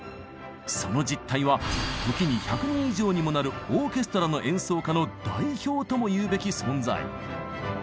その実態は時に１００人以上にもなるオーケストラの演奏家の代表ともいうべき存在。